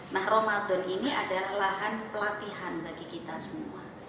nah ramadan ini adalah lahan pelatihan bagi kita semua